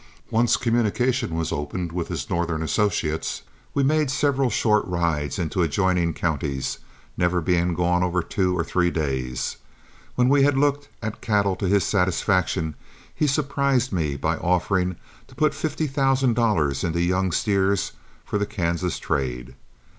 Once communication was opened with his Northern associates, we made several short rides into adjoining counties, never being gone over two or three days. When we had looked at cattle to his satisfaction, he surprised me by offering to put fifty thousand dollars into young steers for the Kansas trade.